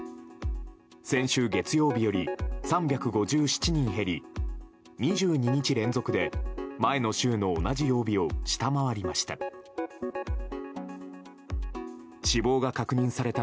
先週月曜日より３５７人減り２２日連続で前の週の同じ曜日を下回りました。